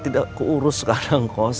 tidak keurus sekarang kos